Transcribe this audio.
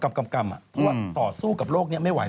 กรรมเพราะว่าต่อสู้กับโรคนี้ไม่ไหว